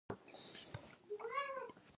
د پښو د درد لپاره پښې په څه شي کې کیږدم؟